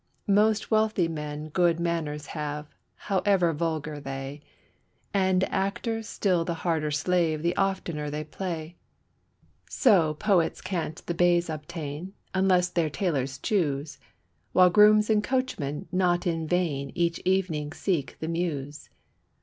Most wealthy men good manors have, however vulgar they; And actors still the harder slave the oftener they play. So poets can't the baize obtain, unless their tailors choose; While grooms and coachmen not in vain each evening seek the Mews.